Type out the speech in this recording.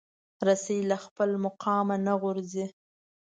رسۍ له خپل مقامه نه غورځي.